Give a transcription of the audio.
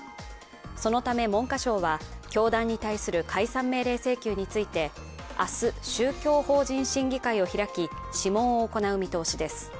そのため文部科学省は教団に対する解散命令請求について、明日、宗教法人審議会を開き試問を行う見通しです。